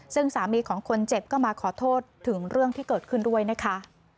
ซึ่งสามีของคนเจ็บก็มาขอโทษถึงเรื่องที่เกิดขึ้นด้วยนะคะ